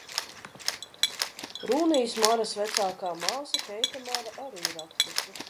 Rūnijas Maras vecākā māsa Keita Mara arī ir aktrise.